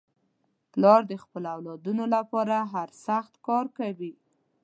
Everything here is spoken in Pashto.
پلار د خپلو اولادنو لپاره هر سخت کار کوي.